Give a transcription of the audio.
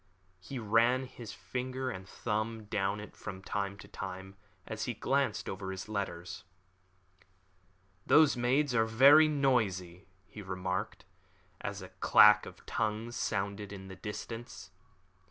He ran his finger and thumb down it from time to time, as he glanced over his letters. "Those maids are very noisy," he remarked, as a clack of tongues sounded in the distance.